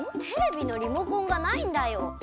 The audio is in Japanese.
テレビのリモコンがないんだよ。